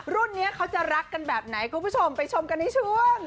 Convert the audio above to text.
รุ่นนี้เขาจะรักกันแบบไหนคุณผู้ชมไปชมกันในช่วง